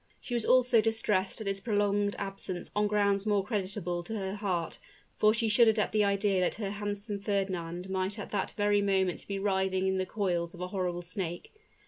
She was also distressed at his prolonged absence on grounds more creditable to her heart, for she shuddered at the idea that her handsome Fernand might at that very moment be writhing in the coils of a horrible snake.